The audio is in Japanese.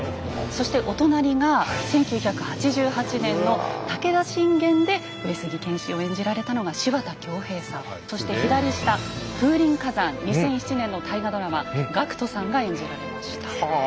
そしてお隣が１９８８年の「武田信玄」で上杉謙信を演じられたのがそして左下「風林火山」２００７年の大河ドラマＧＡＣＫＴさんが演じられました。